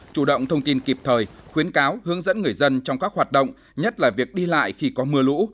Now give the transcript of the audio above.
chủ động thông tin kịp thời khuyến cáo hướng dẫn người dân trong các hoạt động nhất là việc đi lại khi có mưa lũ